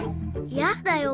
いやだよ！